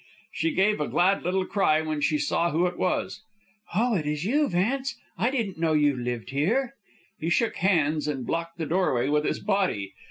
She gave a glad little cry when she saw who it was. "Oh; it is you, Vance! I didn't know you lived here." He shook hands and blocked the doorway with his body.